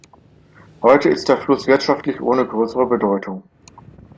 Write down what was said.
Heute ist der Fluss wirtschaftlich ohne größere Bedeutung.